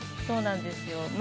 そうなんですよ。